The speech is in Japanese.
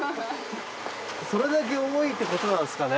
それだけ多いってことなんですかね。